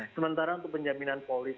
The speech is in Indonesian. sementara untuk penjaminan polis